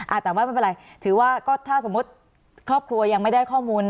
แต่ว่าไม่เป็นไรถือว่าก็ถ้าสมมุติครอบครัวยังไม่ได้ข้อมูล